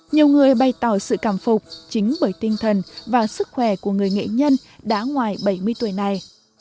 nhiều người bày tỏ sự cảm phục chính bởi tinh thần và sức khỏe của người nghệ nhân đã ngoài bảy mươi tuổi này